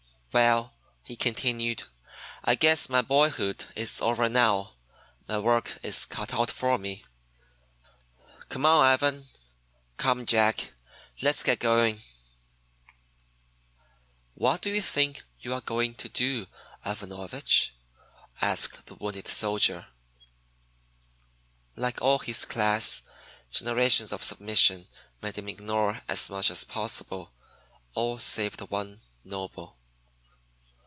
"Well," he continued, "I guess my boyhood is over now. My work is cut out for me. Come on, Ivan, come Jack, let's get going!" "What do you think you are going to do, Ivanovich?" asked the wounded soldier. Like all his class, generations of submission made him ignore as much as possible all save the one noble.